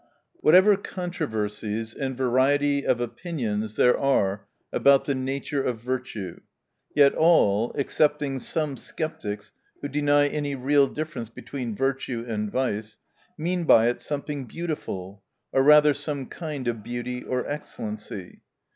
Whatever controversies and variety of opinions there are about the nature of virtue, yet all (excepting some skeptics, who deny any real difference between virtue and vice) mean by it, something beautiful, or rather some kind of beauty, or excellency.